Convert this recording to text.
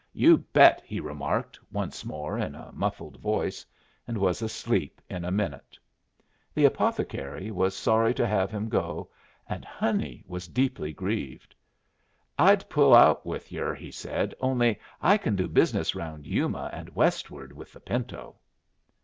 "You bet!" he remarked once more in a muffled voice, and was asleep in a minute. The apothecary was sorry to have him go, and Honey was deeply grieved. "I'd pull out with yer," he said, "only I can do business round Yuma and westward with the pinto."